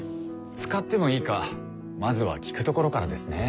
使ってもいいかまずは聞くところからですね。